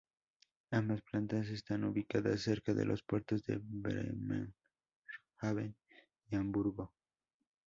Ambas plantas están ubicadas cerca de los puertos de Bremerhaven y Hamburgo.